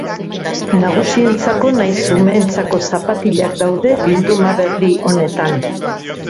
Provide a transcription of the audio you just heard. Nagusientzako nahiz umeentzako zapatilak daude bilduma berri honetan.